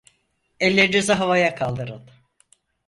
Ellerinizi havaya kaldırın!